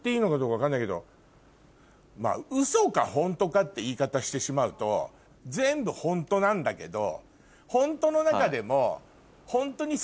ウソかホントかって言い方してしまうと全部ホントなんだけどホントの中でも。